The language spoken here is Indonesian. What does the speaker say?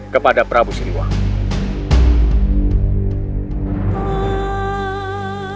kepada prabu siliwangi